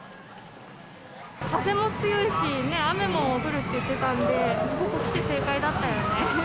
風も強いし、雨も降るって言ってたんで、ここ来て正解だったよね。